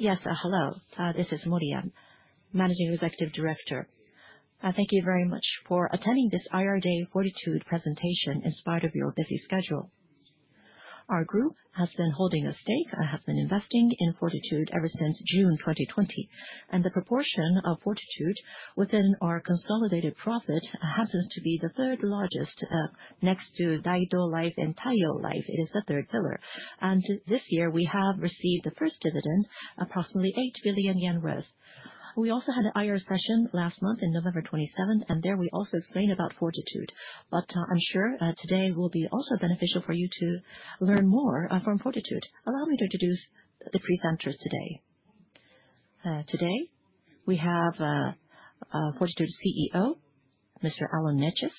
Yes, hello. This is Moriya, Managing Executive Director. Thank you very much for attending this IR Day Fortitude Presentation in spite of your busy schedule. Our group has been holding a stake, has been investing in Fortitude ever since June 2020, and the proportion of Fortitude within our consolidated profit happens to be the third largest, next to Daido Life and Taiyo Life. It is the third pillar, and this year we have received the first dividend, approximately 8 billion yen worth. We also had an IR session last month on November 27, and there we also explained about Fortitude. I'm sure today will be also beneficial for you to learn more from Fortitude. Allow me to introduce the presenters today. Today we have Fortitude CEO, Mr. Alon Neches,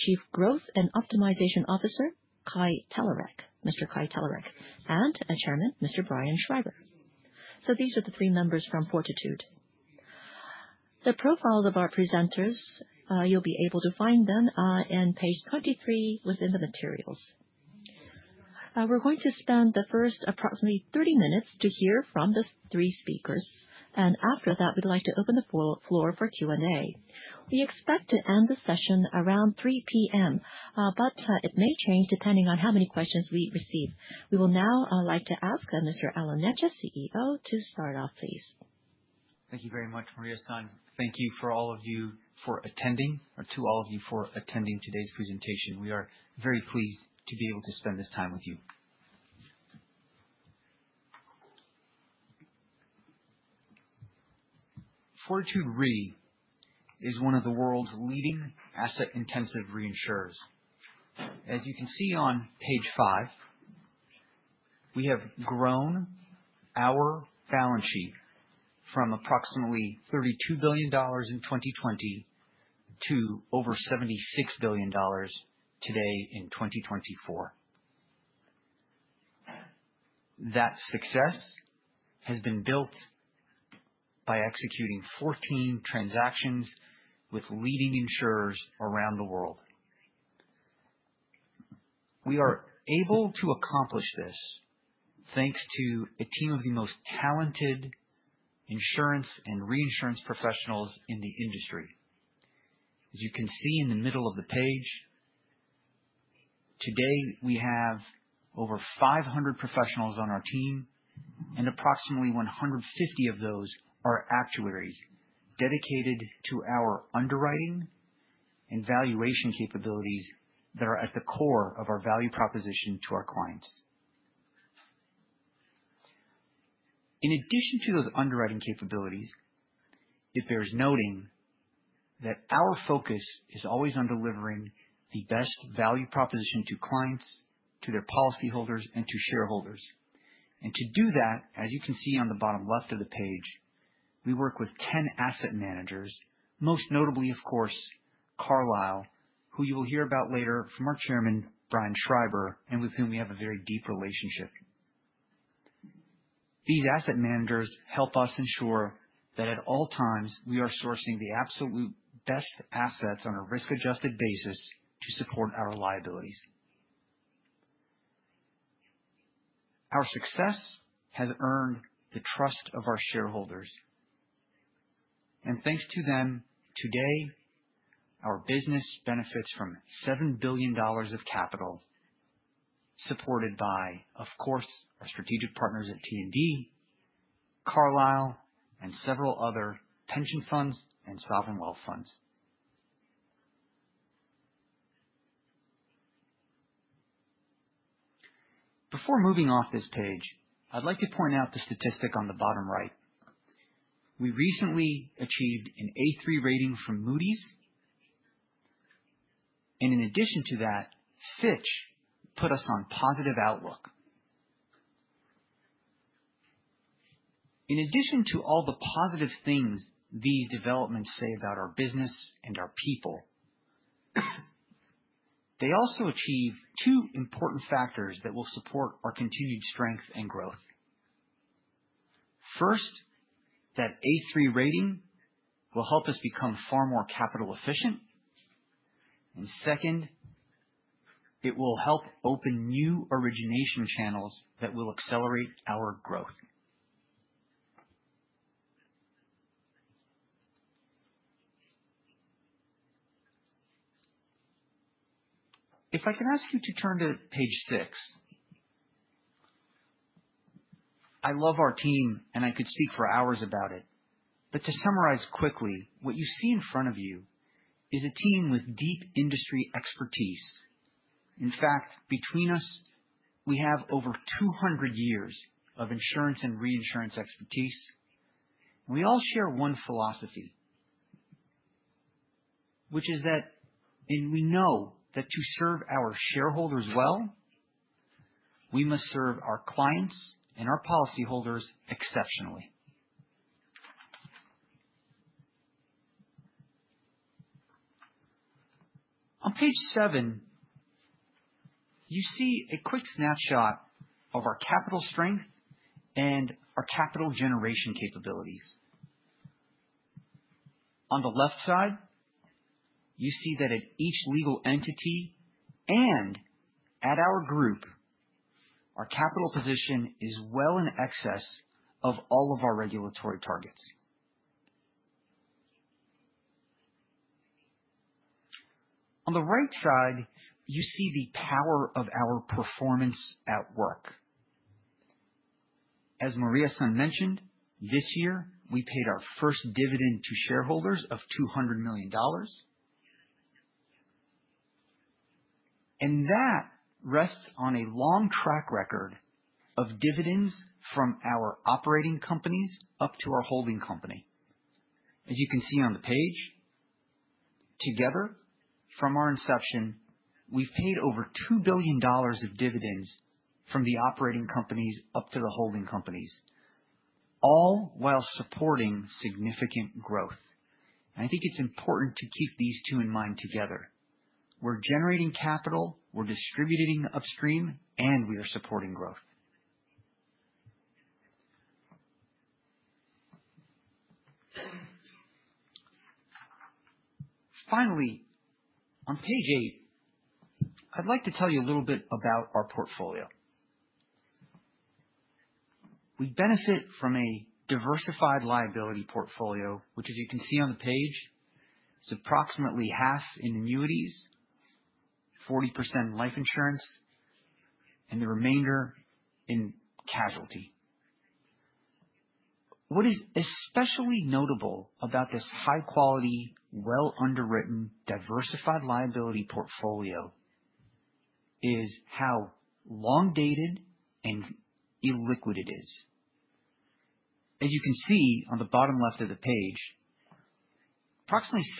Chief Growth and Optimization Officer, Kai Talarek, Mr. Kai Talarek, and Chairman, Mr. Brian Schreiber. So these are the three members from Fortitude. The profiles of our presenters, you'll be able to find them on page 23 within the materials. We're going to spend the first approximately 30 minutes to hear from the three speakers, and after that, we'd like to open the floor for Q&A. We expect to end the session around 3:00 P.M., but it may change depending on how many questions we receive. We will now like to ask Mr. Alon Neches, CEO, to start off, please. Thank you very much, Moriya-san. Thank you for all of you for attending, or to all of you for attending today's presentation. We are very pleased to be able to spend this time with you. Fortitude Re is one of the world's leading asset-intensive reinsurers. As you can see on page five, we have grown our balance sheet from approximately $32 billion in 2020 to over $76 billion today in 2024. That success has been built by executing 14 transactions with leading insurers around the world. We are able to accomplish this thanks to a team of the most talented insurance and reinsurance professionals in the industry. As you can see in the middle of the page, today we have over 500 professionals on our team, and approximately 150 of those are actuaries dedicated to our underwriting and valuation capabilities that are at the core of our value proposition to our clients. In addition to those underwriting capabilities, it bears noting that our focus is always on delivering the best value proposition to clients, to their policyholders, and to shareholders, and to do that, as you can see on the bottom left of the page, we work with 10 asset managers, most notably, of course, Carlyle, who you will hear about later from our Chairman, Brian Schreiber, and with whom we have a very deep relationship. These asset managers help us ensure that at all times we are sourcing the absolute best assets on a risk-adjusted basis to support our liabilities. Our success has earned the trust of our shareholders, and thanks to them today, our business benefits from $7 billion of capital supported by, of course, our strategic partners at T&D, Carlyle, and several other pension funds and sovereign wealth funds. Before moving off this page, I'd like to point out the statistic on the bottom right. We recently achieved an A3 rating from Moody's, and in addition to that, Fitch put us on positive outlook. In addition to all the positive things these developments say about our business and our people, they also achieve two important factors that will support our continued strength and growth. First, that A3 rating will help us become far more capital efficient, and second, it will help open new origination channels that will accelerate our growth. If I can ask you to turn to page six, I love our team, and I could speak for hours about it, but to summarize quickly, what you see in front of you is a team with deep industry expertise. In fact, between us, we have over 200 years of insurance and reinsurance expertise, and we all share one philosophy, which is that we know that to serve our shareholders well, we must serve our clients and our policyholders exceptionally. On page seven, you see a quick snapshot of our capital strength and our capital generation capabilities. On the left side, you see that at each legal entity and at our group, our capital position is well in excess of all of our regulatory targets. On the right side, you see the power of our performance at work. As Moriya-san mentioned, this year we paid our first dividend to shareholders of $200 million, and that rests on a long track record of dividends from our operating companies up to our holding company. As you can see on the page, together, from our inception, we've paid over $2 billion of dividends from the operating companies up to the holding companies, all while supporting significant growth. I think it's important to keep these two in mind together. We're generating capital, we're distributing upstream, and we are supporting growth. Finally, on page eight, I'd like to tell you a little bit about our portfolio. We benefit from a diversified liability portfolio, which, as you can see on the page, is approximately half in annuities, 40% in life insurance, and the remainder in casualty. What is especially notable about this high-quality, well-underwritten, diversified liability portfolio is how long-dated and illiquid it is. As you can see on the bottom left of the page, approximately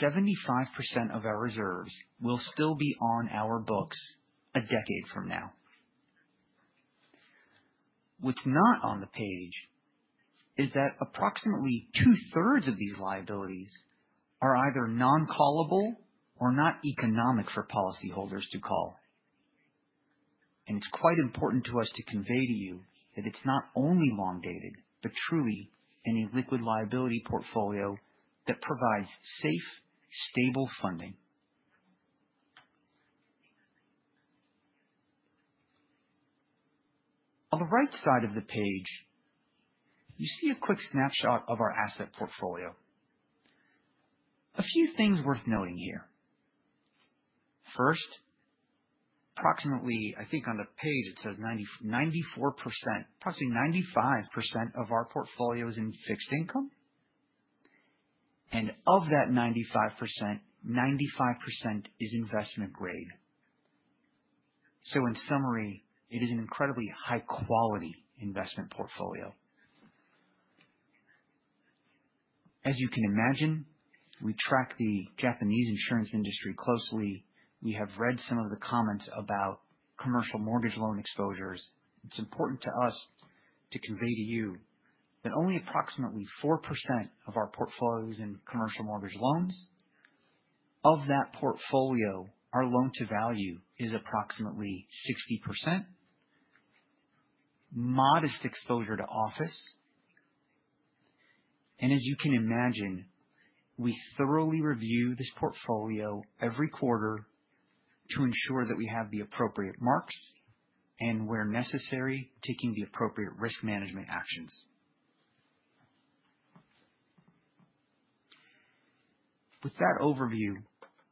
75% of our reserves will still be on our books a decade from now. What's not on the page is that approximately two-thirds of these liabilities are either non-callable or not economic for policyholders to call. And it's quite important to us to convey to you that it's not only long-dated, but truly an illiquid liability portfolio that provides safe, stable funding. On the right side of the page, you see a quick snapshot of our asset portfolio. A few things worth noting here. First, approximately, I think on the page it says 94%, approximately 95% of our portfolio is in fixed income, and of that 95%, 95% is investment grade. So in summary, it is an incredibly high-quality investment portfolio. As you can imagine, we track the Japanese insurance industry closely. We have read some of the comments about commercial mortgage loan exposures. It's important to us to convey to you that only approximately 4% of our portfolios in commercial mortgage loans. Of that portfolio, our loan-to-value is approximately 60%, modest exposure to office. As you can imagine, we thoroughly review this portfolio every quarter to ensure that we have the appropriate marks and, where necessary, taking the appropriate risk management actions. With that overview,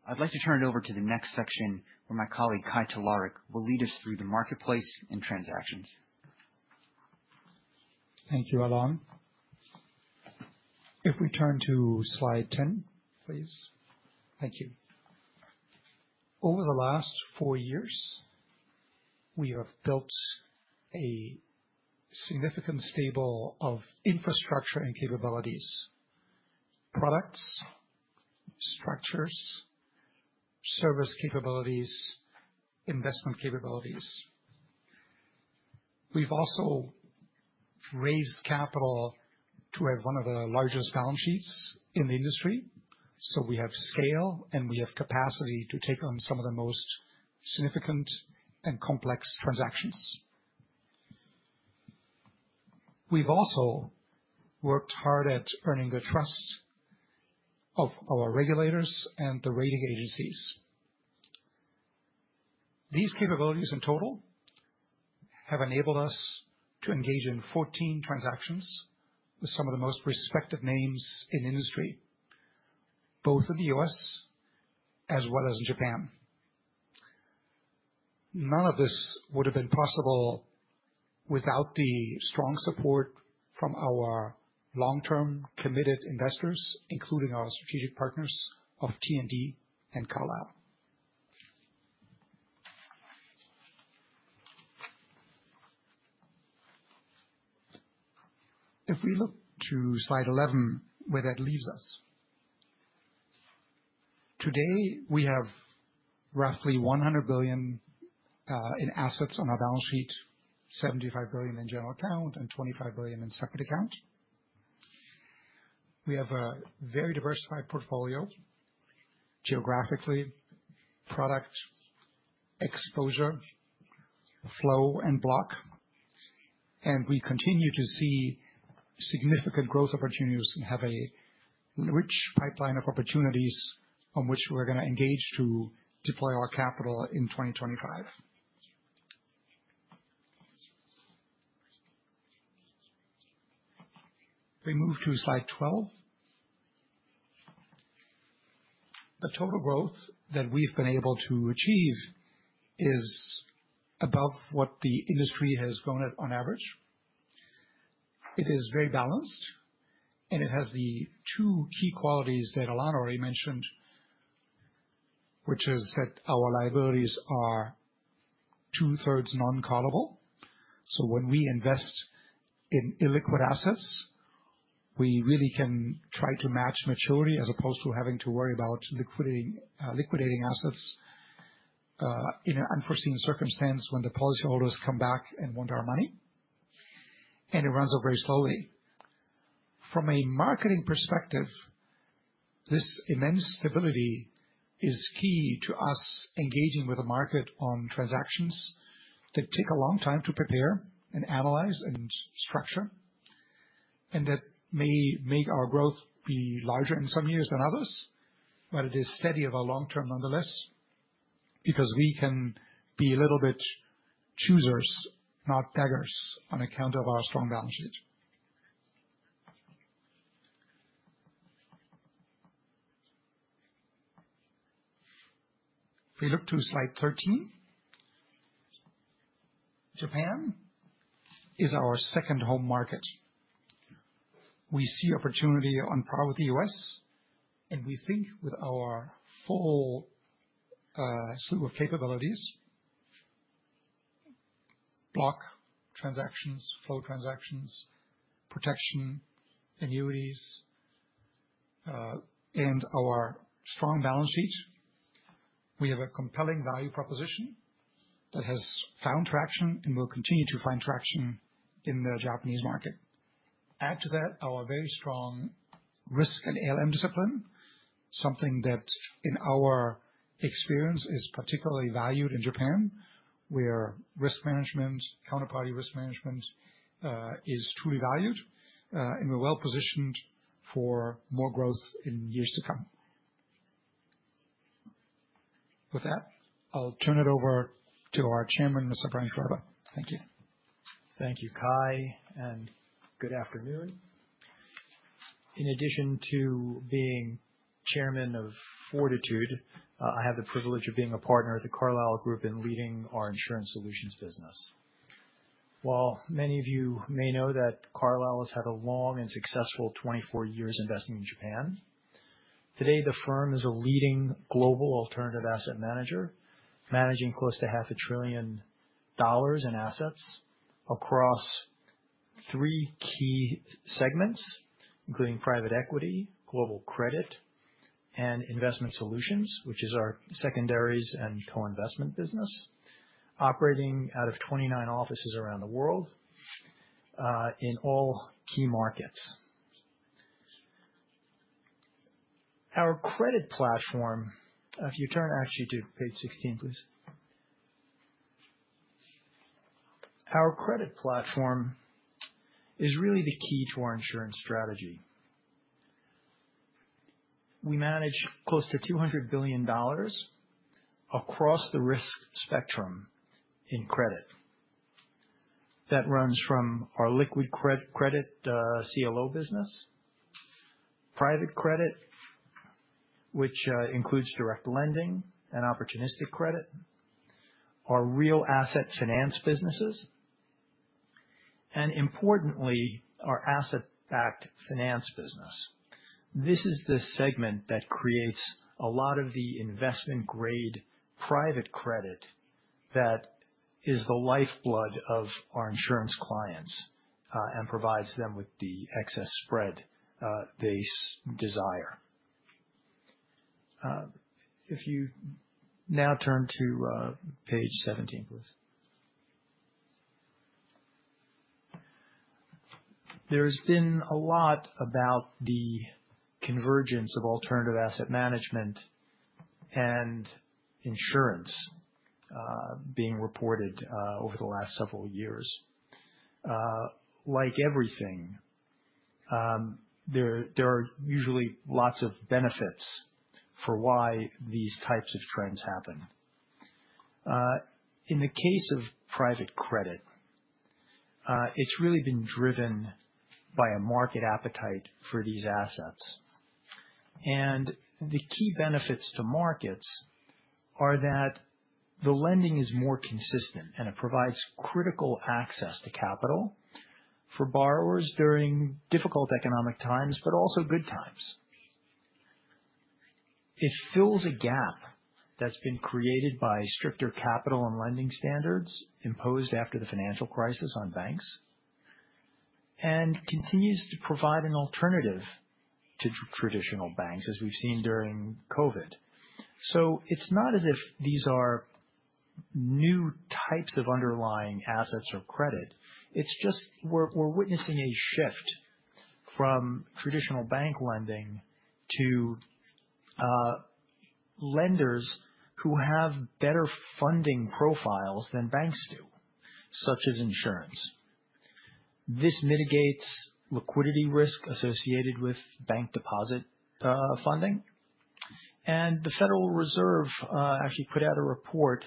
I'd like to turn it over to the next section where my colleague, Kai Talarek, will lead us through the marketplace and transactions. Thank you, Alon. If we turn to slide 10, please. Thank you. Over the last four years, we have built a significant stable of infrastructure and capabilities, products, structures, service capabilities, investment capabilities. We've also raised capital to have one of the largest balance sheets in the industry, so we have scale and we have capacity to take on some of the most significant and complex transactions. We've also worked hard at earning the trust of our regulators and the rating agencies. These capabilities in total have enabled us to engage in 14 transactions with some of the most respected names in the industry, both in the U.S. as well as in Japan. None of this would have been possible without the strong support from our long-term committed investors, including our strategic partners of T&D and Carlyle. If we look to slide 11, where that leaves us. Today, we have roughly $100 billion in assets on our balance sheet, $75 billion in general account, and $25 billion in separate account. We have a very diversified portfolio geographically, product exposure, flow, and block, and we continue to see significant growth opportunities and have a rich pipeline of opportunities on which we're going to engage to deploy our capital in 2025. We move to slide 12. The total growth that we've been able to achieve is above what the industry has grown at on average. It is very balanced, and it has the two key qualities that Alon already mentioned, which is that our liabilities are two-thirds non-callable. So when we invest in illiquid assets, we really can try to match maturity as opposed to having to worry about liquidating assets in an unforeseen circumstance when the policyholders come back and want our money, and it runs up very slowly. From a marketing perspective, this immense stability is key to us engaging with the market on transactions that take a long time to prepare and analyze and structure, and that may make our growth be larger in some years than others, but it is steady over our long term nonetheless because we can be a little bit choosers, not beggars, on account of our strong balance sheet. If we look to slide 13, Japan is our second home market. We see opportunity on par with the U.S., and we think with our full slew of capabilities: block transactions, flow transactions, protection, annuities, and our strong balance sheet, we have a compelling value proposition that has found traction and will continue to find traction in the Japanese market. Add to that our very strong risk and ALM discipline, something that in our experience is particularly valued in Japan, where risk management, counterparty risk management, is truly valued, and we're well positioned for more growth in years to come. With that, I'll turn it over to our Chairman, Mr. Brian Schreiber. Thank you. Thank you, Kai, and good afternoon. In addition to being Chairman of Fortitude, I have the privilege of being a partner at the Carlyle Group in leading our insurance solutions business. While many of you may know that Carlyle has had a long and successful 24 years investing in Japan, today the firm is a leading global alternative asset manager managing close to $500 billion in assets across three key segments, including private equity, global credit, and investment solutions, which is our secondaries and co-investment business, operating out of 29 offices around the world in all key markets. Our credit platform, if you turn actually to page 16, please. Our credit platform is really the key to our insurance strategy. We manage close to $200 billion across the risk spectrum in credit. That runs from our liquid credit CLO business, private credit, which includes direct lending and opportunistic credit, our real asset finance businesses, and importantly, our asset-backed finance business. This is the segment that creates a lot of the investment-grade private credit that is the lifeblood of our insurance clients and provides them with the excess spread they desire. If you now turn to page 17, please. There has been a lot about the convergence of alternative asset management and insurance being reported over the last several years. Like everything, there are usually lots of benefits for why these types of trends happen. In the case of private credit, it's really been driven by a market appetite for these assets. And the key benefits to markets are that the lending is more consistent, and it provides critical access to capital for borrowers during difficult economic times, but also good times. It fills a gap that's been created by stricter capital and lending standards imposed after the financial crisis on banks and continues to provide an alternative to traditional banks, as we've seen during COVID. So it's not as if these are new types of underlying assets or credit. It's just we're witnessing a shift from traditional bank lending to lenders who have better funding profiles than banks do, such as insurance. This mitigates liquidity risk associated with bank deposit funding. And the Federal Reserve actually put out a report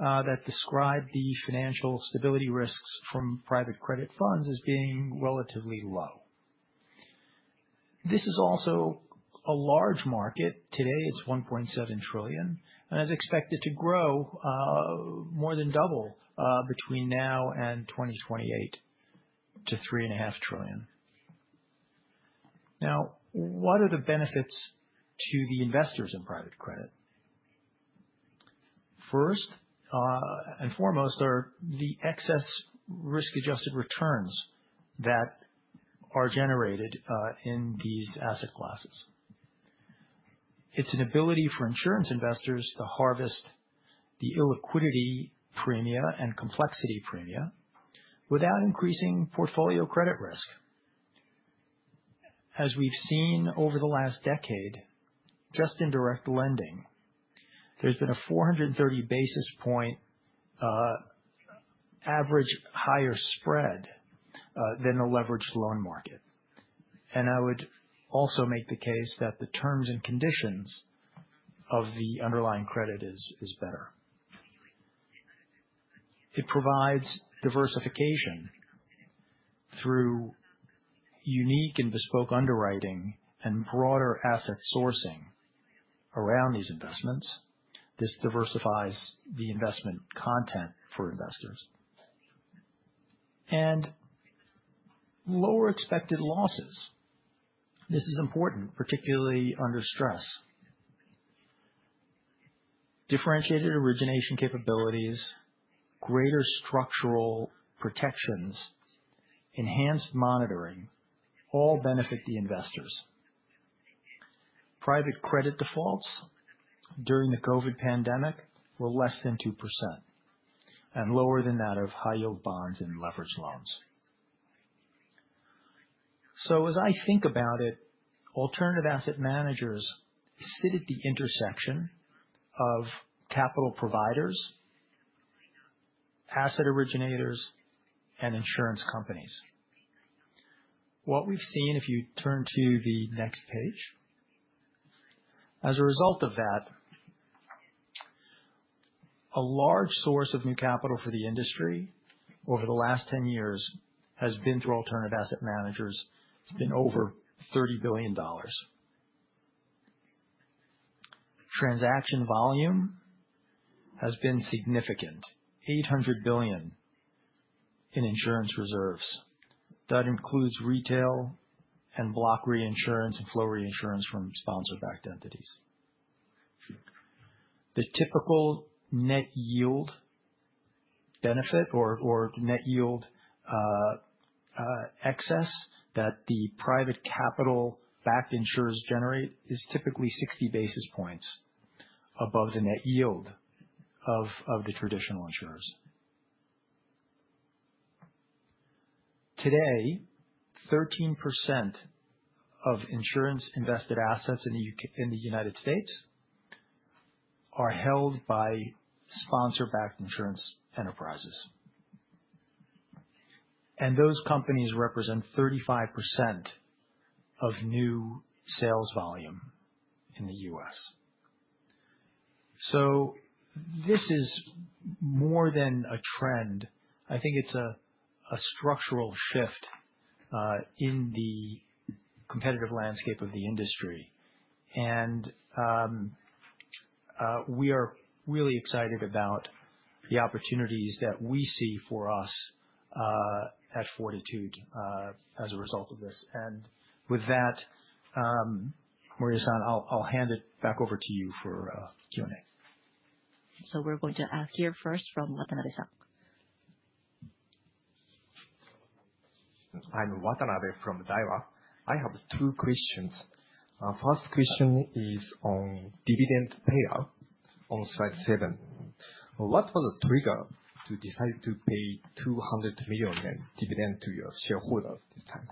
that described the financial stability risks from private credit funds as being relatively low. This is also a large market. Today, it's $1.7 trillion and is expected to grow more than double between now and 2028 to $3.5 trillion. Now, what are the benefits to the investors in private credit? First and foremost are the excess risk-adjusted returns that are generated in these asset classes. It's an ability for insurance investors to harvest the illiquidity premia and complexity premia without increasing portfolio credit risk. As we've seen over the last decade, just in direct lending, there's been a 430 basis point average higher spread than the leveraged loan market. And I would also make the case that the terms and conditions of the underlying credit is better. It provides diversification through unique and bespoke underwriting and broader asset sourcing around these investments. This diversifies the investment content for investors. And lower expected losses. This is important, particularly under stress. Differentiated origination capabilities, greater structural protections, enhanced monitoring all benefit the investors. Private credit defaults during the COVID pandemic were less than 2% and lower than that of high-yield bonds and leveraged loans. So as I think about it, alternative asset managers sit at the intersection of capital providers, asset originators, and insurance companies. What we've seen, if you turn to the next page, as a result of that, a large source of new capital for the industry over the last 10 years has been through alternative asset managers. It's been over $30 billion. Transaction volume has been significant, $800 billion in insurance reserves. That includes retail and block reinsurance and flow reinsurance from sponsor-backed entities. The typical net yield benefit or net yield excess that the private capital-backed insurers generate is typically 60 basis points above the net yield of the traditional insurers. Today, 13% of insurance-invested assets in the United States are held by sponsor-backed insurance enterprises. And those companies represent 35% of new sales volume in the U.S. So this is more than a trend. I think it's a structural shift in the competitive landscape of the industry. And we are really excited about the opportunities that we see for us at Fortitude as a result of this. And with that, Moriya-san, I'll hand it back over to you for Q&A. So we're going to ask here first from Watanabe-san. I'm Watanabe from Daiwa. I have two questions. First question is on dividend payout on slide seven. What was the trigger to decide to pay 200 million in dividend to your shareholders this time?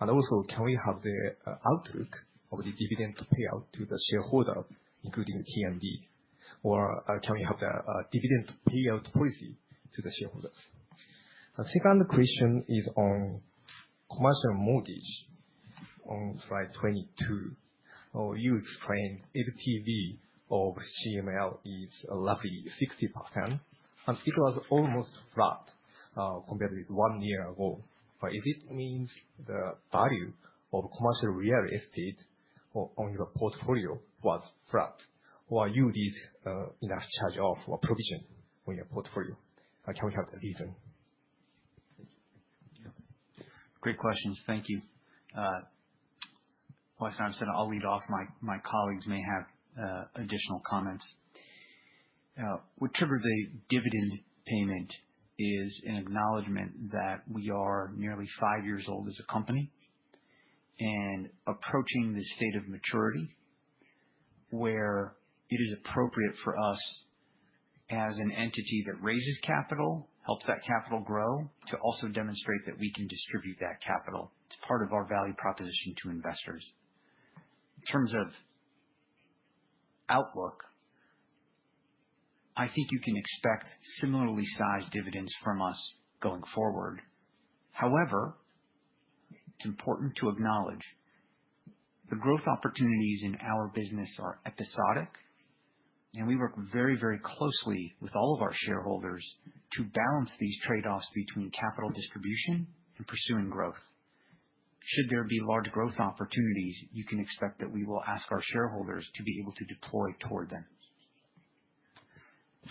And also, can we have the outlook of the dividend payout to the shareholder, including T&D? Or can we have the dividend payout policy to the shareholders? The second question is on commercial mortgage on slide 22. You explained LTV of CML is a low 60%, and it was almost flat compared with one year ago. But is it means the value of commercial real estate on your portfolio was flat? Or are you increasing a provision on your portfolio? Can we have the reason? Great questions. Thank you. Well, I'll lead off. My colleagues may have additional comments. What triggered the dividend payment is an acknowledgment that we are nearly five years old as a company and approaching the state of maturity where it is appropriate for us as an entity that raises capital, helps that capital grow, to also demonstrate that we can distribute that capital. It's part of our value proposition to investors. In terms of outlook, I think you can expect similarly sized dividends from us going forward. However, it's important to acknowledge the growth opportunities in our business are episodic, and we work very, very closely with all of our shareholders to balance these trade-offs between capital distribution and pursuing growth. Should there be large growth opportunities, you can expect that we will ask our shareholders to be able to deploy toward them.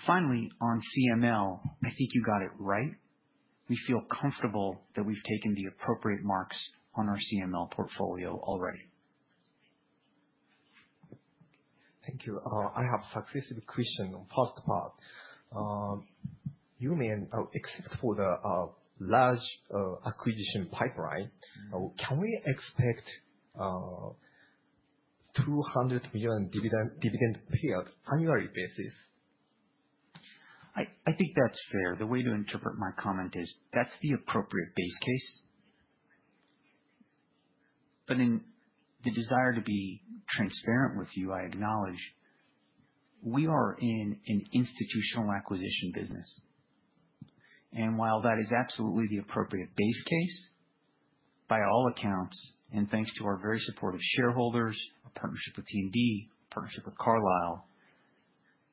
Finally, on CML, I think you got it right. We feel comfortable that we've taken the appropriate marks on our CML portfolio already. Thank you. I have a successive question on the first part. You mean, except for the large acquisition pipeline, can we expect 200 million dividend payout on an annual basis? I think that's fair. The way to interpret my comment is that's the appropriate base case. But in the desire to be transparent with you, I acknowledge we are in an institutional acquisition business. And while that is absolutely the appropriate base case, by all accounts, and thanks to our very supportive shareholders, our partnership with T&D, our partnership with Carlyle,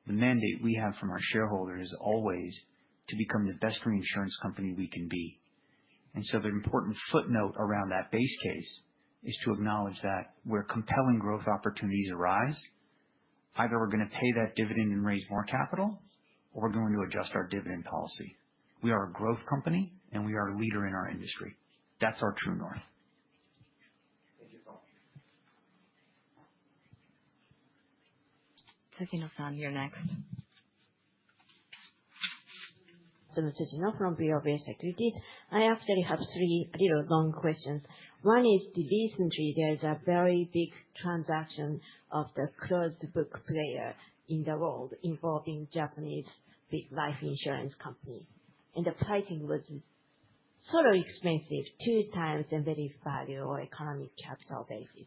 the mandate we have from our shareholders is always to become the best reinsurance company we can be. And so the important footnote around that base case is to acknowledge that where compelling growth opportunities arise, either we're going to pay that dividend and raise more capital, or we're going to adjust our dividend policy. We are a growth company, and we are a leader in our industry. That's our true north. [Sushil-san] here next. So, [Sushil-san from BofA Securities]. I actually have three little long questions. One is, recently, there is a very big transaction of the closed-book player in the world involving Japanese big life insurance company, and the pricing was sort of expensive, two times the value or economic capital basis,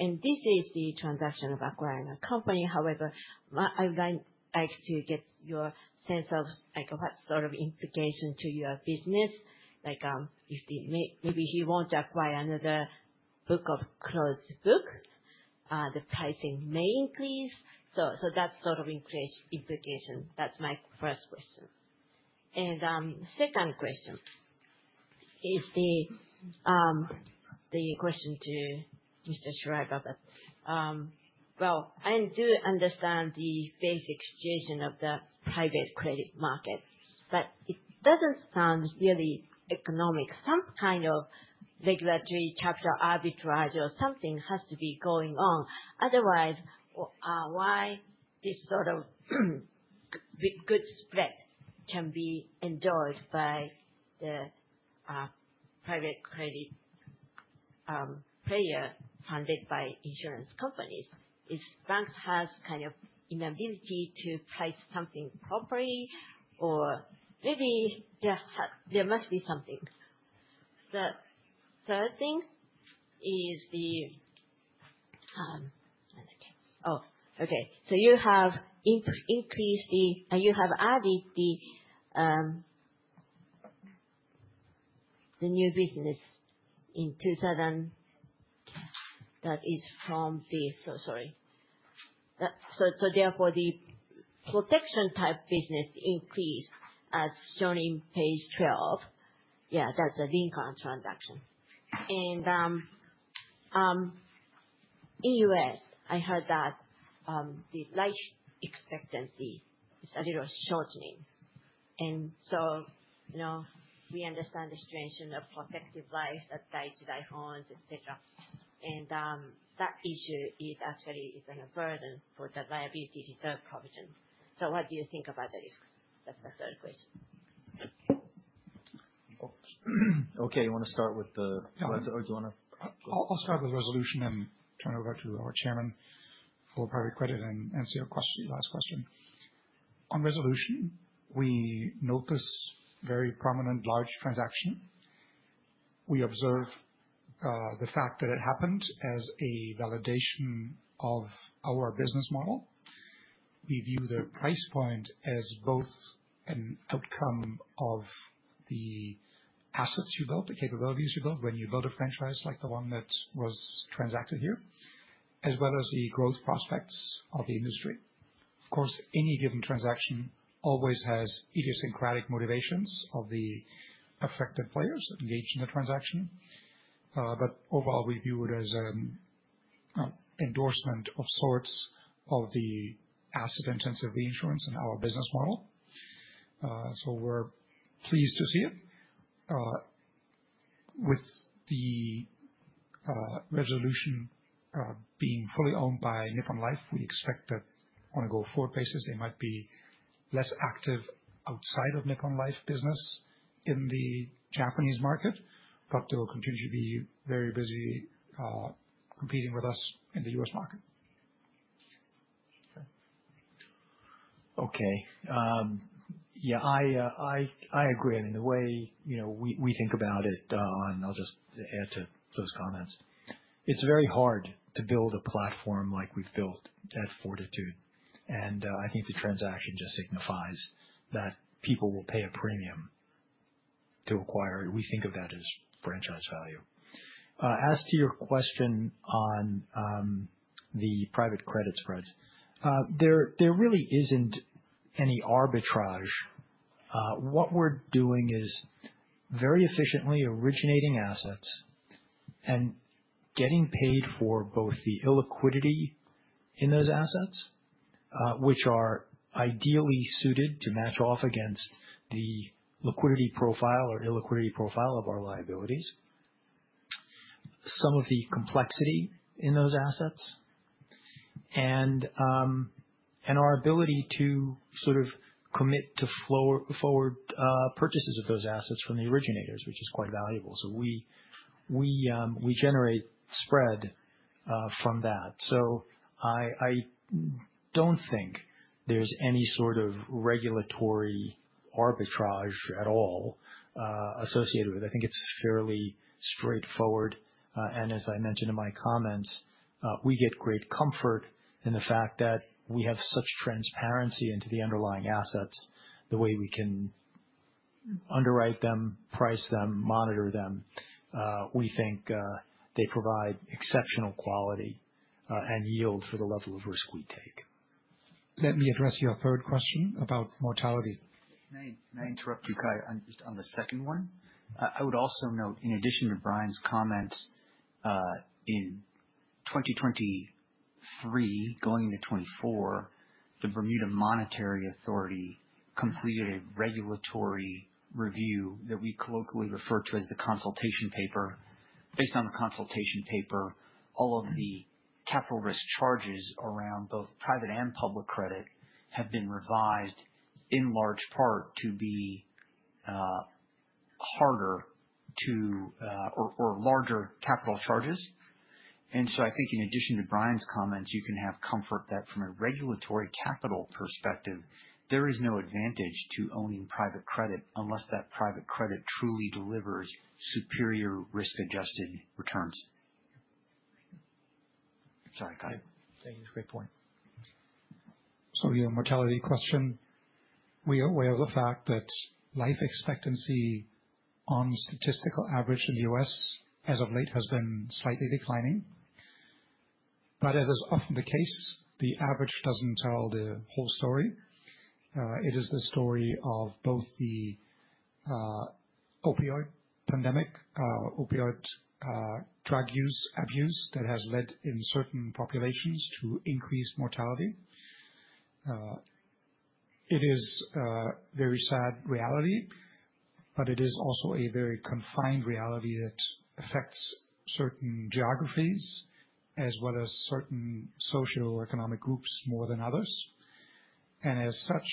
and this is the transaction of acquiring a company. However, I would like to get your sense of what sort of implication to your business. Maybe he wants to acquire another book of closed-book. The pricing may increase, so that's sort of implication. That's my first question, and second question is the question to Mr. Schreiber, well, I do understand the basic situation of the private credit market, but it doesn't sound really economic. Some kind of regulatory capital arbitrage or something has to be going on. Otherwise, why this sort of good spread can be enjoyed by the private credit player funded by insurance companies? Is bank has kind of inability to price something properly, or maybe there must be something. The third thing is the, oh, okay. So you have increased the, you have added the new business in 2000 that is from the, sorry. So therefore, the protection type business increased as shown in page 12. Yeah, that's the Lincoln transaction. And in the U.S., I heard that the life expectancy is a little shortening. And so we understand the situation of Protective Life that Dai-ichi Life, etc. And that issue is actually a burden for the liability reserve provision. So what do you think about that? That's my third question. Okay. You want to start with the—or do you want to? I'll start with Resolution and turn over to our chairman for private credit and see your last question. On Resolution, we notice very prominent large transaction. We observe the fact that it happened as a validation of our business model. We view the price point as both an outcome of the assets you built, the capabilities you built when you built a franchise like the one that was transacted here, as well as the growth prospects of the industry. Of course, any given transaction always has idiosyncratic motivations of the affected players engaged in the transaction. But overall, we view it as an endorsement of sorts of the asset-intensive reinsurance in our business model. So we're pleased to see it. With Resolution Life being fully owned by Nippon Life, we expect that on a go-forward basis, they might be less active outside of Nippon Life business in the Japanese market, but they will continue to be very busy competing with us in the U.S. market. Okay. Yeah, I agree, and in the way we think about it, and I'll just add to those comments, it's very hard to build a platform like we've built at Fortitude, and I think the transaction just signifies that people will pay a premium to acquire. We think of that as franchise value. As to your question on the private credit spreads, there really isn't any arbitrage. What we're doing is very efficiently originating assets and getting paid for both the illiquidity in those assets, which are ideally suited to match off against the liquidity profile or illiquidity profile of our liabilities, some of the complexity in those assets, and our ability to sort of commit to forward purchases of those assets from the originators, which is quite valuable, so we generate spread from that, so I don't think there's any sort of regulatory arbitrage at all associated with it. I think it's fairly straightforward, and as I mentioned in my comments, we get great comfort in the fact that we have such transparency into the underlying assets, the way we can underwrite them, price them, monitor them. We think they provide exceptional quality and yield for the level of risk we take. Let me address your third question about mortality. May I interrupt you, Kai, just on the second one? I would also note, in addition to Brian's comments, in 2023, going into 2024, the Bermuda Monetary Authority completed a regulatory review that we colloquially refer to as the consultation paper. Based on the consultation paper, all of the capital risk charges around both private and public credit have been revised in large part to be harder or larger capital charges. And so I think in addition to Brian's comments, you can have comfort that from a regulatory capital perspective, there is no advantage to owning private credit unless that private credit truly delivers superior risk-adjusted returns. Sorry, Kai. Thank you. That's a great point. So your mortality question, we are aware of the fact that life expectancy on statistical average in the U.S. as of late has been slightly declining. But as is often the case, the average doesn't tell the whole story. It is the story of both the opioid pandemic, opioid drug abuse that has led in certain populations to increased mortality. It is a very sad reality, but it is also a very confined reality that affects certain geographies as well as certain socioeconomic groups more than others. And as such,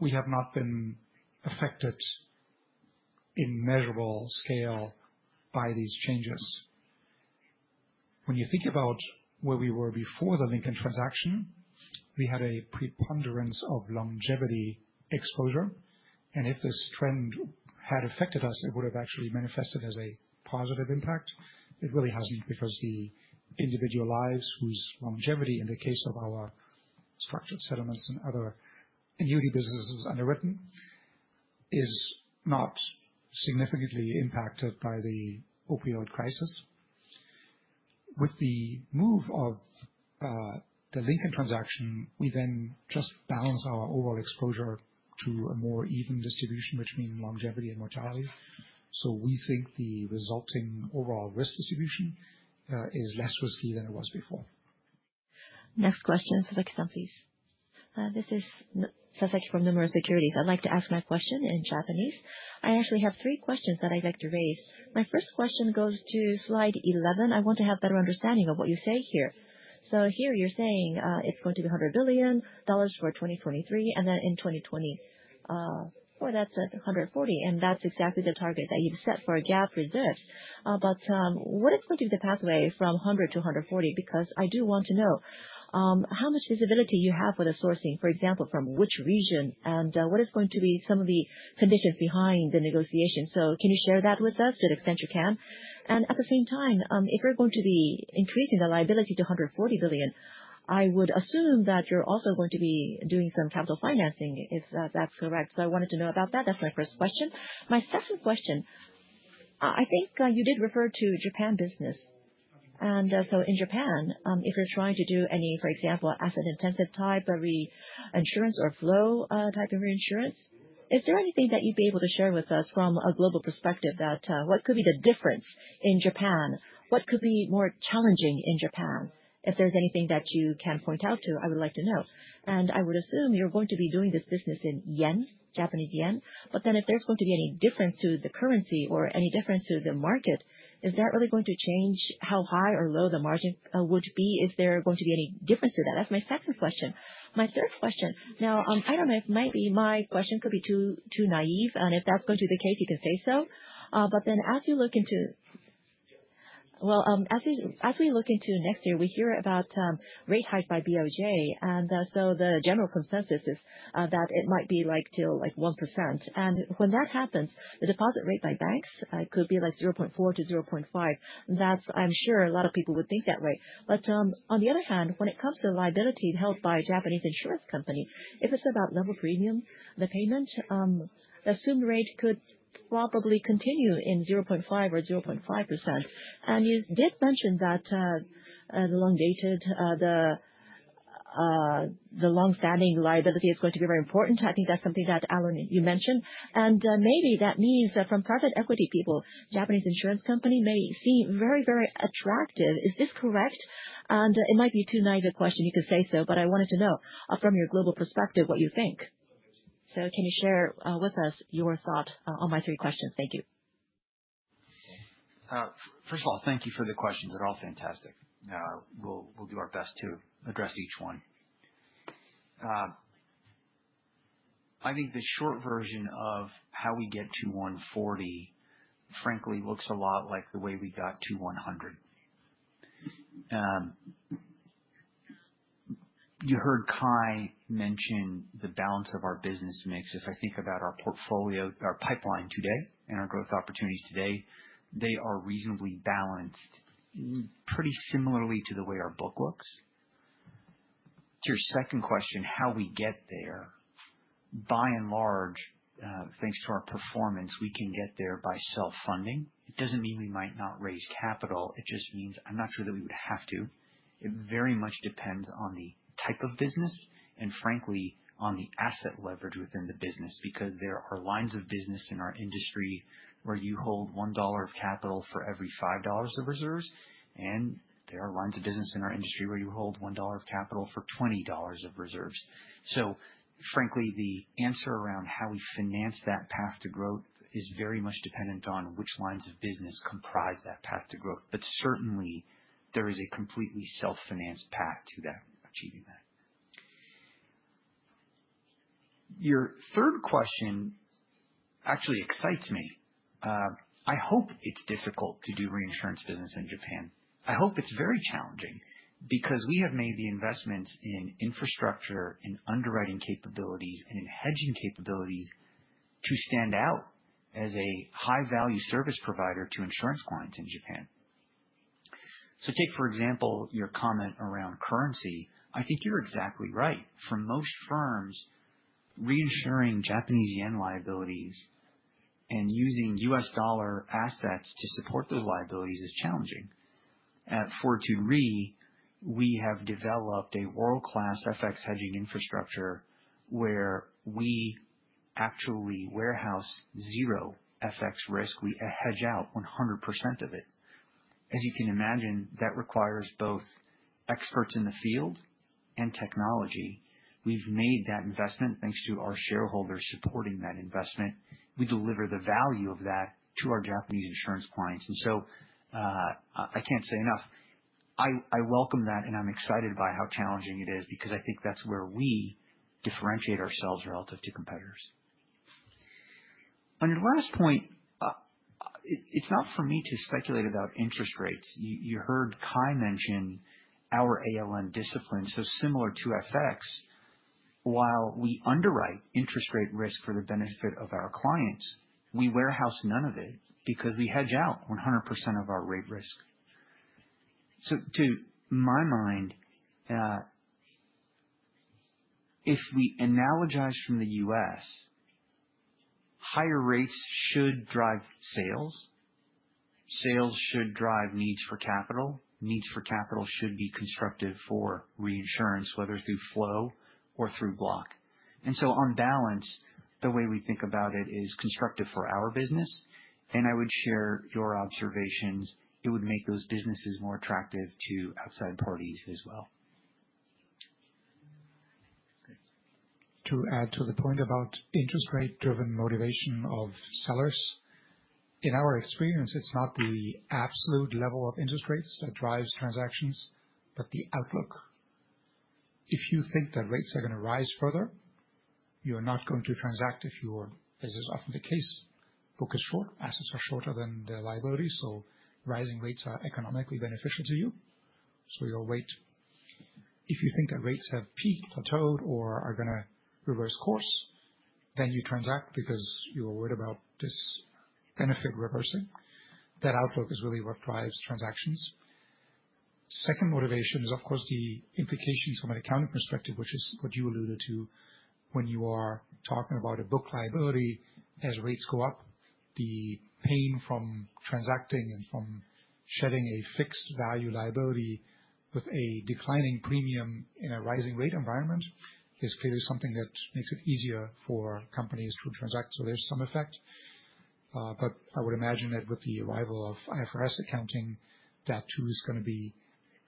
we have not been affected in measurable scale by these changes. When you think about where we were before the Lincoln transaction, we had a preponderance of longevity exposure. And if this trend had affected us, it would have actually manifested as a positive impact. It really hasn't because the individual lives whose longevity, in the case of our structured settlements and other annuity businesses underwritten, is not significantly impacted by the opioid crisis. With the move of the Lincoln transaction, we then just balance our overall exposure to a more even distribution between longevity and mortality. So we think the resulting overall risk distribution is less risky than it was before. Next question, Suzuki-san, please. This is Suzuki from Nomura Securities. I'd like to ask my question in Japanese. I actually have three questions that I'd like to raise. My first question goes to slide 11. I want to have a better understanding of what you say here. So here you're saying it's going to be $100 billion for 2023, and then in 2024, that's 140. And that's exactly the target that you've set for GAAP reserves. But what is going to be the pathway from 100 to 140? Because I do want to know how much visibility you have for the sourcing, for example, from which region, and what is going to be some of the conditions behind the negotiation. So can you share that with us to the extent you can? At the same time, if you're going to be increasing the liability to $140 billion, I would assume that you're also going to be doing some capital financing, if that's correct. So I wanted to know about that. That's my first question. My second question, I think you did refer to Japan business. And so in Japan, if you're trying to do any, for example, asset-intensive type of reinsurance or flow type of reinsurance, is there anything that you'd be able to share with us from a global perspective? What could be the difference in Japan? What could be more challenging in Japan? If there's anything that you can point out to, I would like to know. And I would assume you're going to be doing this business in yen, Japanese yen. But then if there's going to be any difference to the currency or any difference to the market, is that really going to change how high or low the margin would be? Is there going to be any difference to that? That's my second question. My third question, now. I don't know if maybe my question could be too naive, and if that's going to be the case, you can say so. But then as you look into, well, as we look into next year, we hear about rate hikes by BOJ. And so the general consensus is that it might be like till 1%. And when that happens, the deposit rate by banks could be like 0.4%-0.5%. I'm sure a lot of people would think that way. But on the other hand, when it comes to liability held by Japanese insurance companies, if it's about level premium, the payment, the assumed rate could probably continue in 0.5 or 0.5%. And you did mention that the long-standing liability is going to be very important. I think that's something that, Alon, you mentioned. And maybe that means that from private equity people, Japanese insurance company may seem very, very attractive. Is this correct? And it might be too naive a question. You can say so. But I wanted to know from your global perspective what you think. So can you share with us your thought on my three questions? Thank you. First of all, thank you for the questions. They're all fantastic. We'll do our best to address each one. I think the short version of how we get to 140, frankly, looks a lot like the way we got to 100. You heard Kai mention the balance of our business mix. If I think about our pipeline today and our growth opportunities today, they are reasonably balanced pretty similarly to the way our book looks. To your second question, how we get there, by and large, thanks to our performance, we can get there by self-funding. It doesn't mean we might not raise capital. It just means I'm not sure that we would have to. It very much depends on the type of business and, frankly, on the asset leverage within the business because there are lines of business in our industry where you hold $1 of capital for every $5 of reserves. And there are lines of business in our industry where you hold $1 of capital for $20 of reserves. So, frankly, the answer around how we finance that path to growth is very much dependent on which lines of business comprise that path to growth. But certainly, there is a completely self-financed path to achieving that. Your third question actually excites me. I hope it's difficult to do reinsurance business in Japan. I hope it's very challenging because we have made the investments in infrastructure and underwriting capabilities and in hedging capabilities to stand out as a high-value service provider to insurance clients in Japan. So take, for example, your comment around currency. I think you're exactly right. For most firms, reinsuring Japanese yen liabilities and using U.S. dollar assets to support those liabilities is challenging. At Fortitude Re, we have developed a world-class FX hedging infrastructure where we actually warehouse zero FX risk. We hedge out 100% of it. As you can imagine, that requires both experts in the field and technology. We've made that investment thanks to our shareholders supporting that investment. We deliver the value of that to our Japanese insurance clients. And so I can't say enough. I welcome that, and I'm excited by how challenging it is because I think that's where we differentiate ourselves relative to competitors. On your last point, it's not for me to speculate about interest rates. You heard Kai mention our ALM discipline, so similar to FX. While we underwrite interest rate risk for the benefit of our clients, we warehouse none of it because we hedge out 100% of our rate risk. So, to my mind, if we analogize from the U.S., higher rates should drive sales. Sales should drive needs for capital. Needs for capital should be constructive for reinsurance, whether through flow or through block. And so, on balance, the way we think about it is constructive for our business. And I would share your observations. It would make those businesses more attractive to outside parties as well. To add to the point about interest rate-driven motivation of sellers, in our experience, it's not the absolute level of interest rates that drives transactions, but the outlook. If you think that rates are going to rise further, you are not going to transact if you are, as is often the case, book is short, assets are shorter than their liabilities. So rising rates are economically beneficial to you. So you'll wait. If you think that rates have peaked, plateaued, or are going to reverse course, then you transact because you are worried about this benefit reversing. That outlook is really what drives transactions. Second motivation is, of course, the implications from an accounting perspective, which is what you alluded to when you are talking about a book liability. As rates go up, the pain from transacting and from shedding a fixed value liability with a declining premium in a rising rate environment is clearly something that makes it easier for companies to transact. So there's some effect. But I would imagine that with the arrival of IFRS accounting, that too is going to be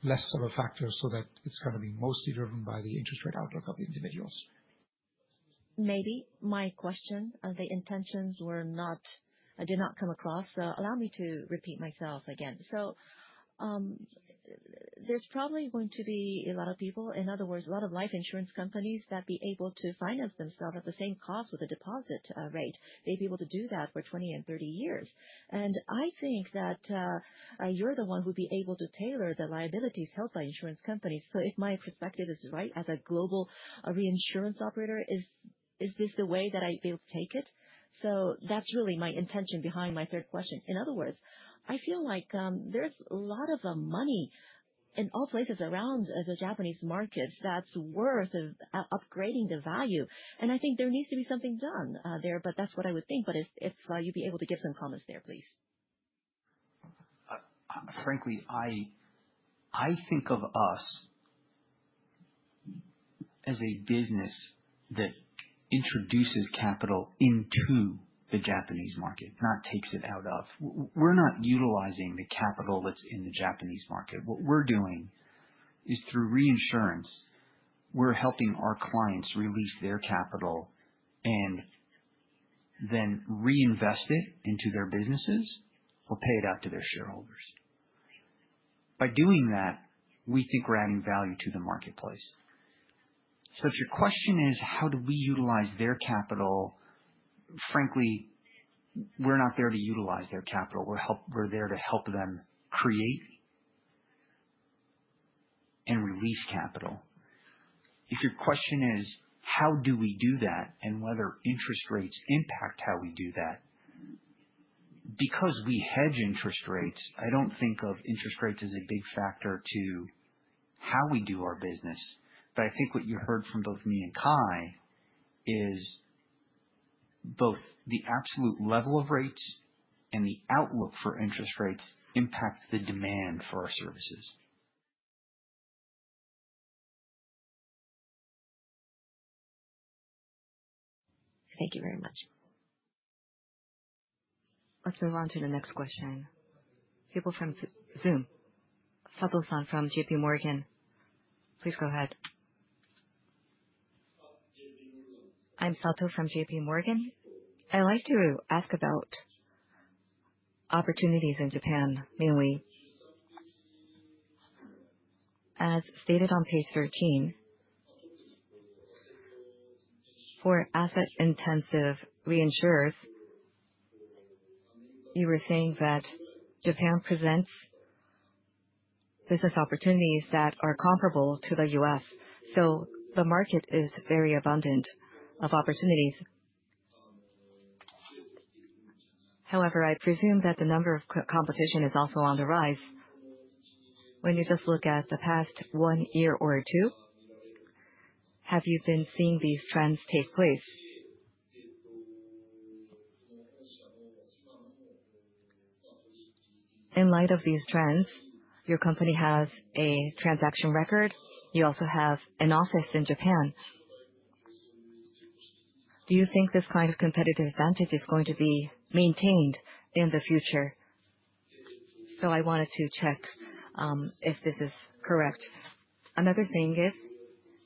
less of a factor so that it's going to be mostly driven by the interest rate outlook of the individuals. Maybe my question, the intentions were not. I did not come across. So allow me to repeat myself again. So there's probably going to be a lot of people, in other words, a lot of life insurance companies that be able to finance themselves at the same cost with a deposit rate. They'd be able to do that for 20 and 30 years. And I think that you're the one who'd be able to tailor the liabilities held by insurance companies. So if my perspective is right as a global reinsurance operator, is this the way that I'd be able to take it? So that's really my intention behind my third question. In other words, I feel like there's a lot of money in all places around the Japanese markets that's worth upgrading the value. And I think there needs to be something done there, but that's what I would think. But if you'd be able to give some comments there, please. Frankly, I think of us as a business that introduces capital into the Japanese market, not takes it out of. We're not utilizing the capital that's in the Japanese market. What we're doing is, through reinsurance, we're helping our clients release their capital and then reinvest it into their businesses or pay it out to their shareholders. By doing that, we think we're adding value to the marketplace. So if your question is, how do we utilize their capital? Frankly, we're not there to utilize their capital. We're there to help them create and release capital. If your question is, how do we do that and whether interest rates impact how we do that? Because we hedge interest rates, I don't think of interest rates as a big factor to how we do our business. But I think what you heard from both me and Kai is both the absolute level of rates and the outlook for interest rates impact the demand for our services. Thank you very much. Let's move on to the next question. People from Zoom. Sato-san from JPMorgan. Please go ahead. I'm Sato from JPMorgan. I'd like to ask about opportunities in Japan, mainly. As stated on page 13, for asset-intensive reinsurers, you were saying that Japan presents business opportunities that are comparable to the U.S. So the market is very abundant of opportunities. However, I presume that the number of competition is also on the rise. When you just look at the past one year or two, have you been seeing these trends take place? In light of these trends, your company has a transaction record. You also have an office in Japan. Do you think this kind of competitive advantage is going to be maintained in the future? So I wanted to check if this is correct. Another thing is,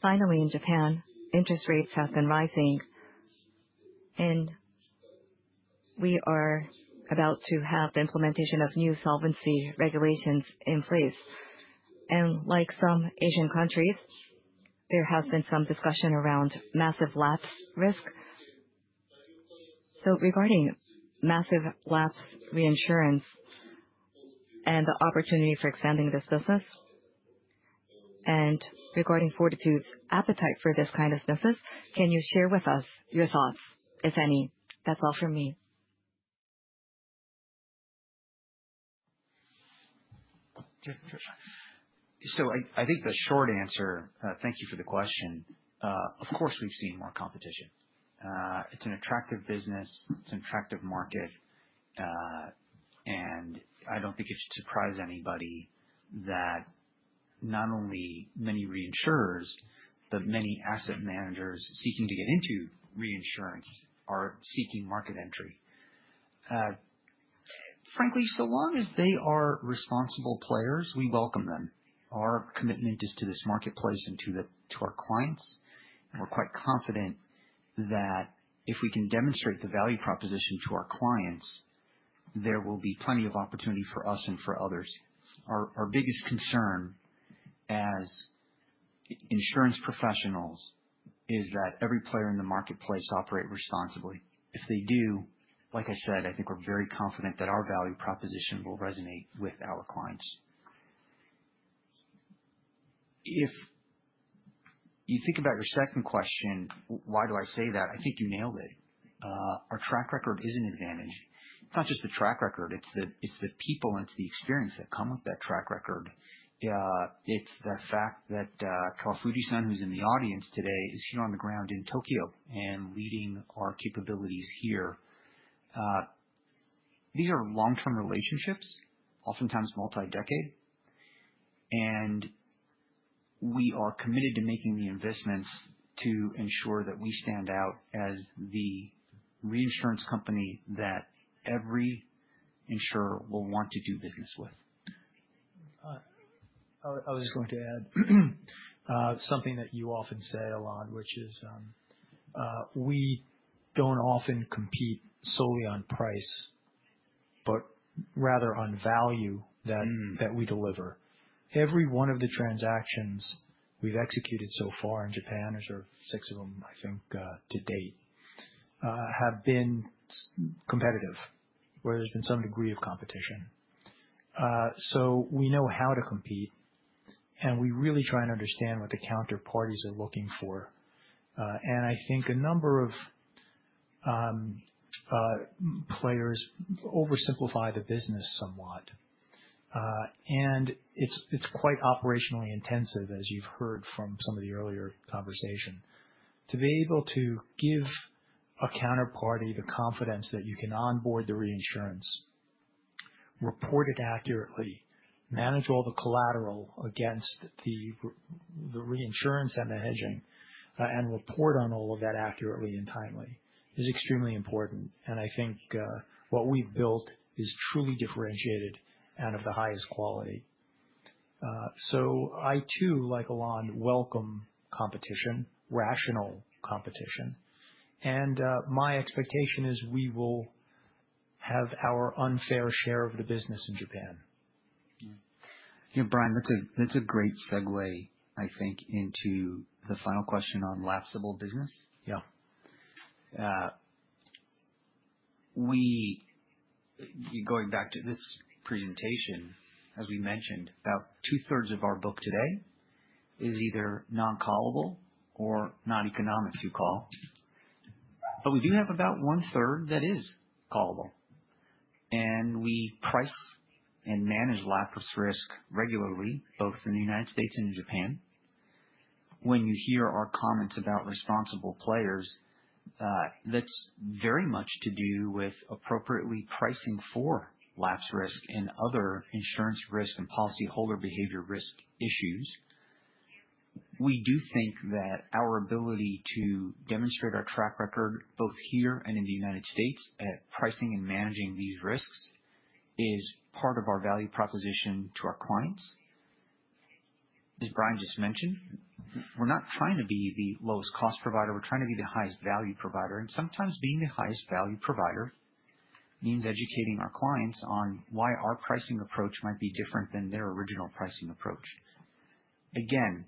finally, in Japan, interest rates have been rising, and we are about to have the implementation of new solvency regulations in place, and like some Asian countries, there has been some discussion around massive lapse risk, so regarding massive lapse reinsurance and the opportunity for expanding this business, and regarding Fortitude's appetite for this kind of business, can you share with us your thoughts, if any? That's all from me. So, I think the short answer. Thank you for the question. Of course, we've seen more competition. It's an attractive business. It's an attractive market. And I don't think it should surprise anybody that not only many reinsurers, but many asset managers seeking to get into reinsurance are seeking market entry. Frankly, so long as they are responsible players, we welcome them. Our commitment is to this marketplace and to our clients. And we're quite confident that if we can demonstrate the value proposition to our clients, there will be plenty of opportunity for us and for others. Our biggest concern as insurance professionals is that every player in the marketplace operate responsibly. If they do, like I said, I think we're very confident that our value proposition will resonate with our clients. If you think about your second question, why do I say that? I think you nailed it. Our track record is an advantage. It's not just the track record. It's the people and it's the experience that come with that track record. It's the fact that Kawafuji-san, who's in the audience today, is here on the ground in Tokyo and leading our capabilities here. These are long-term relationships, oftentimes multi-decade. And we are committed to making the investments to ensure that we stand out as the reinsurance company that every insurer will want to do business with. I was just going to add something that you often say, Alon, which is we don't often compete solely on price, but rather on value that we deliver. Every one of the transactions we've executed so far in Japan, there's six of them, I think, to date, have been competitive, where there's been some degree of competition. So we know how to compete, and we really try and understand what the counterparties are looking for. I think a number of players oversimplify the business somewhat. It's quite operationally intensive, as you've heard from some of the earlier conversation, to be able to give a counterparty the confidence that you can onboard the reinsurance, report it accurately, manage all the collateral against the reinsurance and the hedging, and report on all of that accurately and timely is extremely important. And I think what we've built is truly differentiated and of the highest quality. So I, too, like Alon, welcome competition, rational competition. And my expectation is we will have our unfair share of the business in Japan. Yeah, Brian, that's a great segue, I think, into the final question on lapseable business. Yeah. Going back to this presentation, as we mentioned, about two-thirds of our book today is either non-callable or not economic to call, but we do have about one-third that is callable, and we price and manage lapse risk regularly, both in the United States and in Japan. When you hear our comments about responsible players, that's very much to do with appropriately pricing for lapse risk and other insurance risk and policyholder behavior risk issues. We do think that our ability to demonstrate our track record both here and in the United States at pricing and managing these risks is part of our value proposition to our clients. As Brian just mentioned, we're not trying to be the lowest-cost provider. We're trying to be the highest-value provider. Sometimes being the highest-value provider means educating our clients on why our pricing approach might be different than their original pricing approach. Again,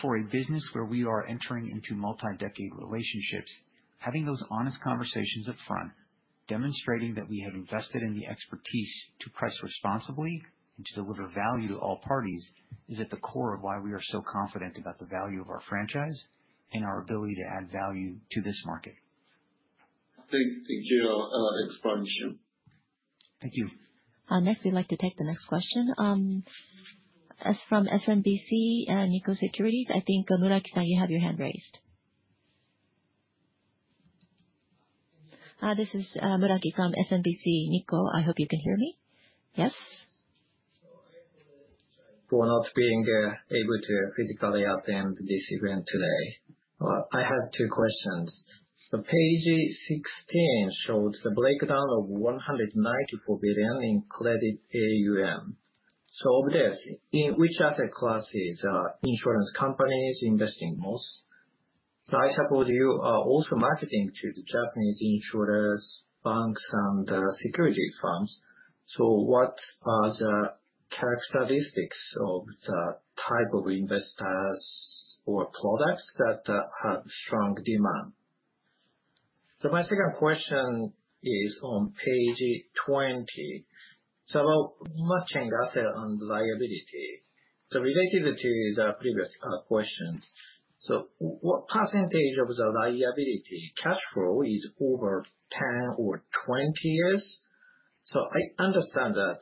for a business where we are entering into multi-decade relationships, having those honest conversations upfront, demonstrating that we have invested in the expertise to price responsibly and to deliver value to all parties is at the core of why we are so confident about the value of our franchise and our ability to add value to this market. Thank you, explanation. Thank you. Next, we'd like to take the next question. From SMBC Nikko Securities, I think Muraki-san, you have your hand raised. This is Muraki from SMBC Nikko. I hope you can hear me. Yes. ...for not being able to physically attend this event today. I have two questions. Page 16 shows the breakdown of $194 billion in credit AUM. Of this, in which asset classes are insurance companies investing most? I suppose you are also marketing to the Japanese insurers, banks, and securities firms. What are the characteristics of the type of investors or products that have strong demand? My second question is on page 20. About matching asset and liability. Related to the previous questions, what percentage of the liability cash flow is over 10 or 20 years? I understand that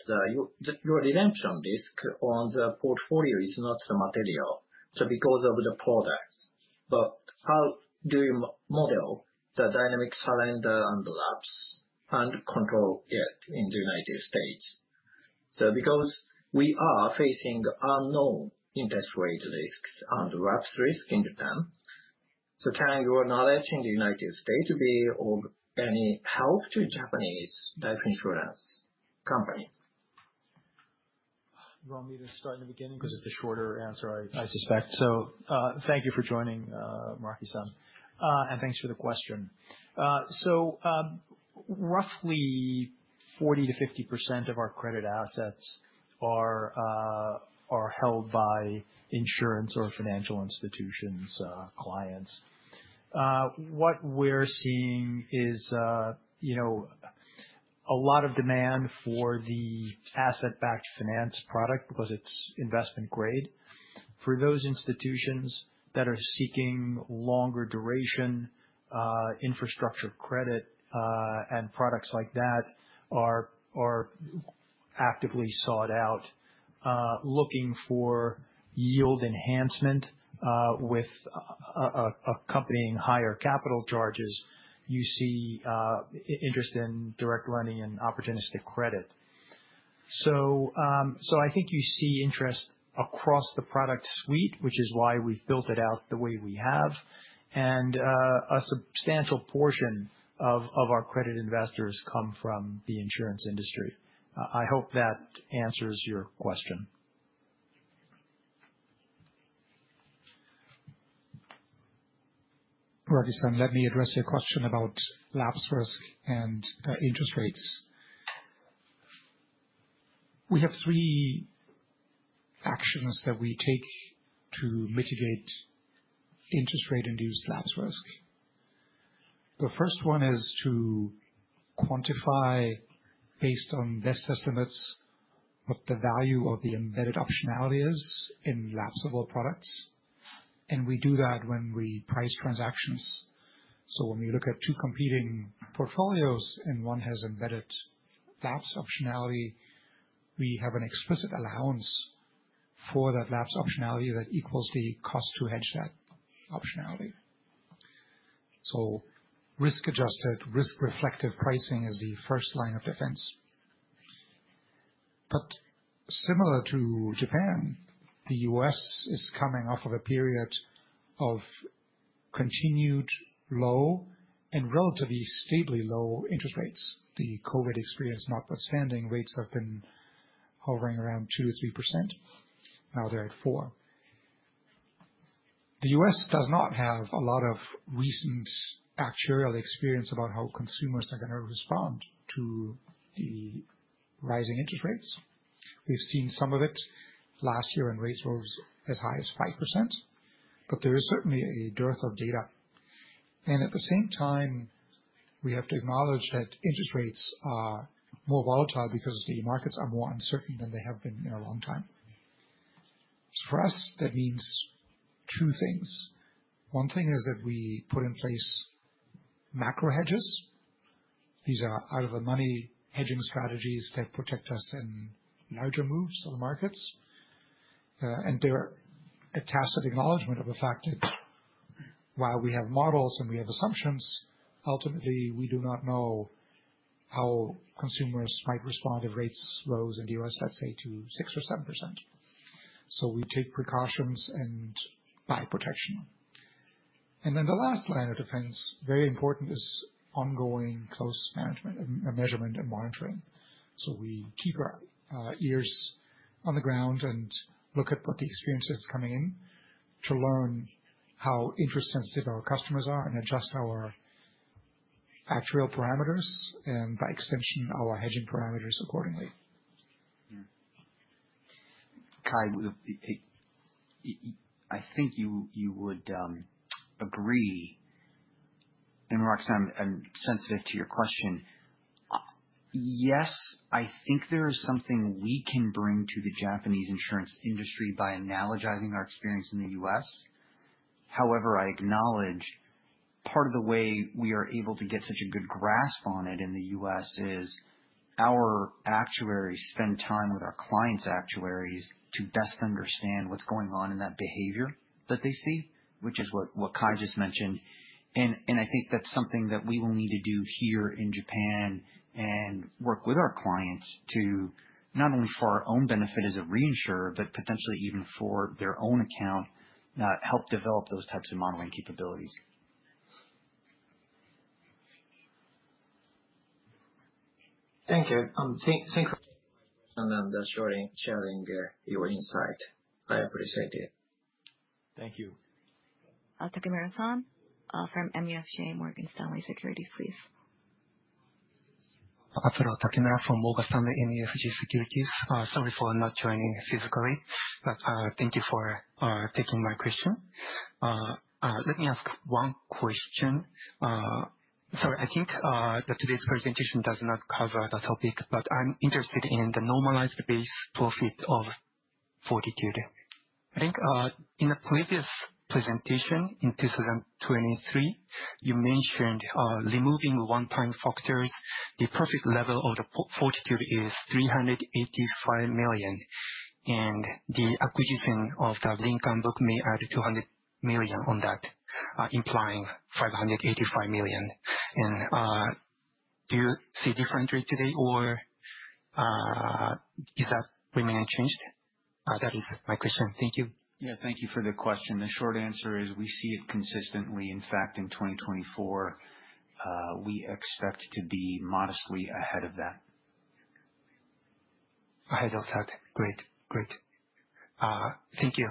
your redemption risk on the portfolio is not material. Because of the products. But how do you model the dynamic challenge and the lapse and control it in the United States? Because we are facing unknown interest rate risks and lapse risk in Japan, can your knowledge in the United States be of any help to Japanese life insurance company? You want me to start in the beginning? Because it's the shorter answer, I suspect, so thank you for joining, Muraki-san, and thanks for the question. Roughly 40%-50% of our credit assets are held by insurance or financial institutions' clients. What we're seeing is a lot of demand for the asset-backed finance product because it's investment grade. For those institutions that are seeking longer-duration infrastructure credit, and products like that are actively sought out, looking for yield enhancement with accompanying higher capital charges, you see interest in direct lending and opportunistic credit. I think you see interest across the product suite, which is why we've built it out the way we have. A substantial portion of our credit investors come from the insurance industry. I hope that answers your question. Muraki-san, let me address your question about lapse risk and interest rates. We have three actions that we take to mitigate interest rate-induced lapse risk. The first one is to quantify, based on best estimates, what the value of the embedded optionality is in lapseable products, and we do that when we price transactions, so when we look at two competing portfolios and one has embedded lapse optionality, we have an explicit allowance for that lapse optionality that equals the cost to hedge that optionality, so risk-adjusted, risk-reflective pricing is the first line of defense, but similar to Japan, the U.S. is coming off of a period of continued low and relatively stably low interest rates. The COVID experience notwithstanding, rates have been hovering around 2%-3%. Now they're at 4%. The U.S. does not have a lot of recent actuarial experience about how consumers are going to respond to the rising interest rates. We've seen some of it last year when rates were as high as 5%. But there is certainly a dearth of data. And at the same time, we have to acknowledge that interest rates are more volatile because the markets are more uncertain than they have been in a long time. So for us, that means two things. One thing is that we put in place macro hedges. These are out-of-the-money hedging strategies that protect us in larger moves of the markets. And they're a tacit acknowledgment of the fact that while we have models and we have assumptions, ultimately, we do not know how consumers might respond if rates rose in the U.S., let's say, to 6% or 7%. So we take precautions and buy protection. And then the last line of defense, very important, is ongoing close management and measurement and monitoring. So we keep our ears on the ground and look at what the experience is coming in to learn how interest-sensitive our customers are and adjust our actuarial parameters and, by extension, our hedging parameters accordingly. Kai, I think you would agree. And Muraki-san, I'm sensitive to your question. Yes, I think there is something we can bring to the Japanese insurance industry by analogizing our experience in the US. However, I acknowledge part of the way we are able to get such a good grasp on it in the U.S. is our actuaries spend time with our clients' actuaries to best understand what's going on in that behavior that they see, which is what Kai just mentioned. And I think that's something that we will need to do here in Japan and work with our clients to not only for our own benefit as a reinsurer, but potentially even for their own account, help develop those types of modeling capabilities. Thank you. Same question on sharing your insight. I appreciate it. Thank you. Takemura-san from MUFG Morgan Stanley Securities, please. Hello. Takemura from Morgan Stanley MUFG Securities. Sorry for not joining physically, but thank you for taking my question. Let me ask one question. Sorry, I think that today's presentation does not cover the topic, but I'm interested in the normalized base profit of Fortitude. I think in the previous presentation in 2023, you mentioned removing one-time factors. The profit level of the Fortitude is $385 million. And the acquisition of the Lincoln book may add $200 million on that, implying $585 million. And do you see different rate today, or is that remaining unchanged? That is my question. Thank you. Yeah, thank you for the question. The short answer is we see it consistently. In fact, in 2024, we expect to be modestly ahead of that. Ahead of that. Great. Great. Thank you.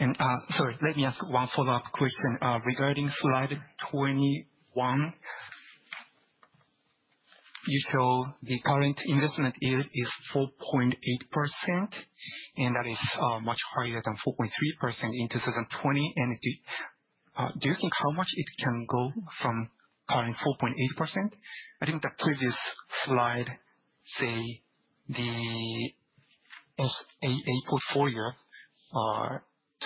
And sorry, let me ask one follow-up question regarding slide 21. You show the current investment yield is 4.8%, and that is much higher than 4.3% in 2020. And do you think how much it can go from current 4.8%? I think the previous slide, say, the SAA portfolio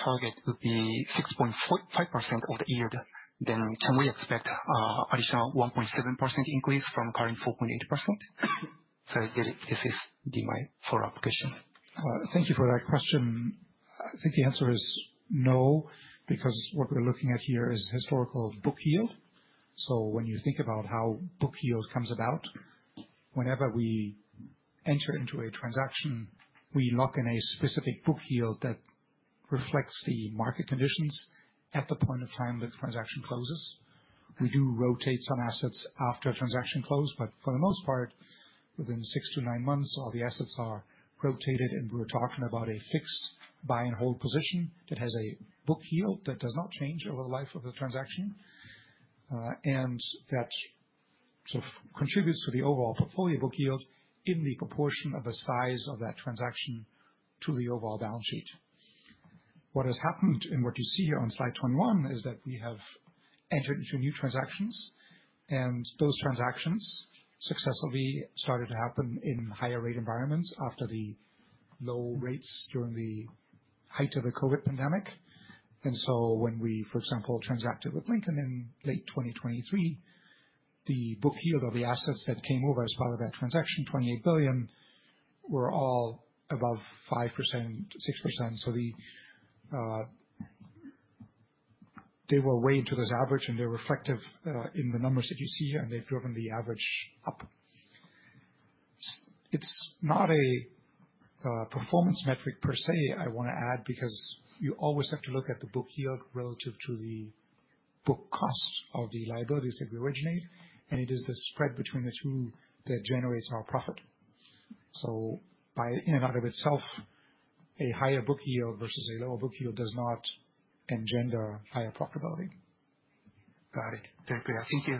target would be 6.5% of the yield. Then can we expect additional 1.7% increase from current 4.8%? So this is my follow-up question. Thank you for that question. I think the answer is no because what we're looking at here is historical book yield. So when you think about how book yield comes about, whenever we enter into a transaction, we lock in a specific book yield that reflects the market conditions at the point of time that the transaction closes. We do rotate some assets after a transaction close, but for the most part, within six to nine months, all the assets are rotated, and we're talking about a fixed buy-and-hold position that has a book yield that does not change over the life of the transaction and that sort of contributes to the overall portfolio book yield in the proportion of the size of that transaction to the overall balance sheet. What has happened and what you see here on slide 21 is that we have entered into new transactions, and those transactions successfully started to happen in higher-rate environments after the low rates during the height of the COVID pandemic. And so when we, for example, transacted with Lincoln in late 2023, the book yield of the assets that came over as part of that transaction, $28 billion, were all above 5%-6%. So they were weighted to this average, and they're reflective in the numbers that you see, and they've driven the average up. It's not a performance metric per se, I want to add, because you always have to look at the book yield relative to the book cost of the liabilities that we originate, and it is the spread between the two that generates our profit. So in and of itself, a higher book yield versus a lower book yield does not engender higher profitability. Got it. Thank you.